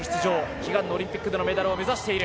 悲願のオリンピックでのメダルを目指している。